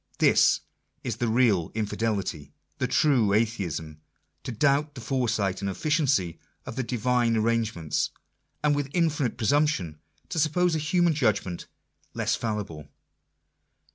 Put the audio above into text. This is the real Infidelity ; the true Atheism : to doubt the foresight and efficiency of the Divine arrange ments, and with infinite presumption to suppose a human judgment less fallible